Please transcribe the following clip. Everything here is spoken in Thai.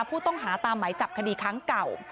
ผู้ต้องหาตามไหมจับคดีครั้งเก่า